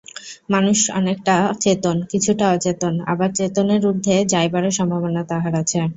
মানুষ অনেকটা চেতন, কিছুটা অচেতন আবার চেতনের ঊর্ধ্বে যাইবারও সম্ভাবনা তাহার আছে।